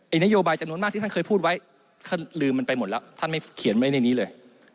นโยบายจำนวนมากที่ท่านเคยพูดไว้ท่านลืมมันไปหมดแล้วท่านไม่เขียนไว้ในนี้เลย